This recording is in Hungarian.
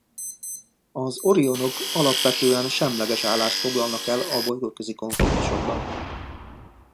Az Orionok alapvetően semleges állást foglalnak el a bolygóközi konfliktusokban.